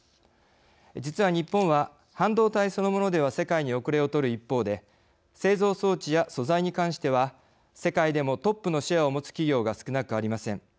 実は日本は半導体そのものでは世界におくれをとる一方で製造装置や素材に関しては世界でもトップのシェアを持つ企業が少なくありません。